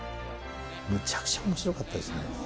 むちゃくちゃおもしろかったですね。